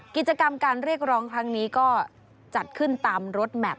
กิจกรรมการเรียกร้องครั้งนี้ก็จัดขึ้นตามรถแมพ